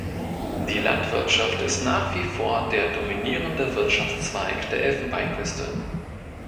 Die Landwirtschaft ist nach wie vor der dominierende Wirtschaftszweig der Elfenbeinküste.